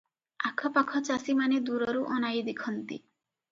ଆଖ ପାଖ ଚାଷିମାନେ ଦୂରରୁ ଅନାଇ ଦେଖନ୍ତି